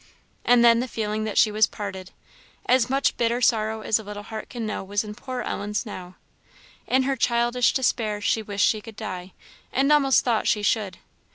And then the feeling that she was parted! As much bitter sorrow as a little heart can know was in poor Ellen's now. In her childish despair she wished she could die, and almost thought she should.